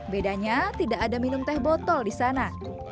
bedanya tidak ada minum teh botol di sana